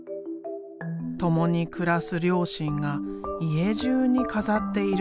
共に暮らす両親が家じゅうに飾っている。